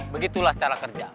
begitulah cara kerja